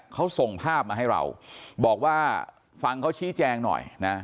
เขาส่งภาพมาให้เราบอกว่าฟังเขาชี้แจงหน่อยนะ